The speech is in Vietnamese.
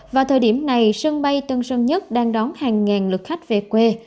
và thời điểm này sân bay tân sơn nhất đang đón hàng ngàn lực khách về quê